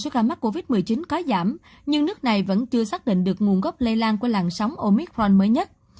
một trăm sáu mươi năm ca mắc covid một mươi chín có giảm nhưng nước này vẫn chưa xác định được nguồn gốc lây lan của làn sóng omicron mới nhất